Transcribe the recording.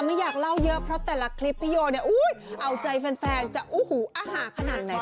ไม่อยากเล่าเยอะเพราะแต่ละคลิปพี่โยเนี่ยเอาใจแฟนจะโอ้โหอาหารขนาดไหน